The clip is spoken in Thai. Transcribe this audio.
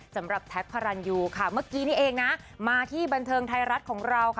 แท็กพระรันยูค่ะเมื่อกี้นี่เองนะมาที่บันเทิงไทยรัฐของเราค่ะ